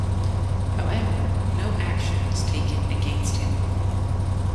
However, no action was taken against him.